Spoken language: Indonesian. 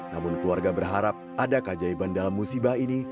namun keluarga berharap ada keajaiban dalam musibah ini